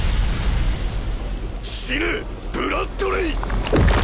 死ねブラッドレイ！